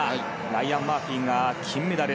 ライアン・マーフィーが金メダル。